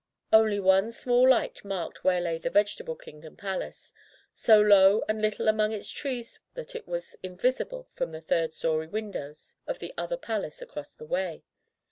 Only one small light marked where lay the Vegetable Kingdom palace, so low and little among its trees that it was invisible from the third story windows of the other palace across the way.